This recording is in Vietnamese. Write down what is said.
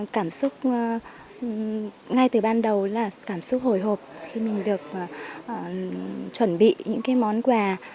cảm xúc ngay từ ban đầu là cảm xúc hồi hộp khi mình được chuẩn bị những món quà